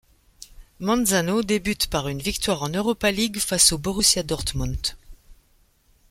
Manzano débute par une victoire en Europa League face au Borussia Dortmund.